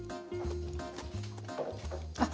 あっ！